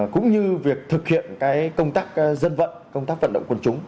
cũng như việc thực hiện công tác dân vận công tác vận động quân chúng